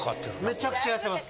めちゃくちゃやってます。